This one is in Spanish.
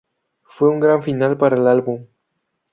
Fue un gran final para el álbum".